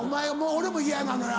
俺も嫌なのよ